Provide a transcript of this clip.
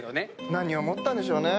何を思ったんでしょうね。